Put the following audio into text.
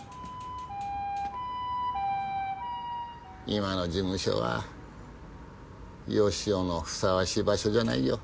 今の事務所は佳男のふさわしい場所じゃないよ